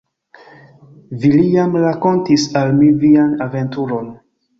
Villiam rakontis al mi vian aventuron.